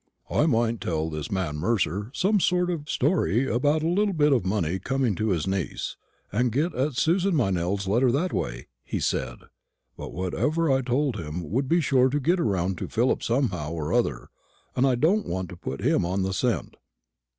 "I might tell this man Mercer some story about a little bit of money coming to his niece, and get at Susan Meynell's letter that way," he said; "but whatever I told him would be sure to get round to Philip somehow or other, and I don't want to put him on the scent."